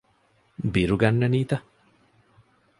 ބިރު ގަންނަނީތަ؟